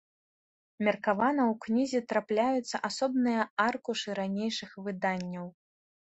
Меркавана ў кнізе трапляюцца асобныя аркушы ранейшых выданняў.